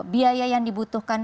biaya yang dibutuhkan